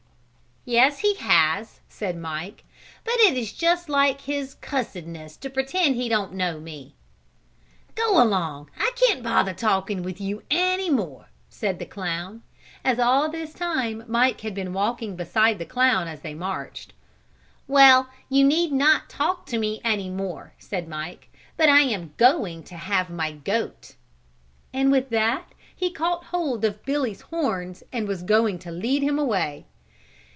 "Yes, he has," said Mike, "but it is just like his cussedness to pretend he don't know me." "Go along, I can't bother talking to you any more," said the clown, as all this time Mike had been walking beside the clown as they marched. "Well, you need not talk to me any more," said Mike, "but I am going to have my goat." And with that he caught hold of Billy's horns and was going to lead him away.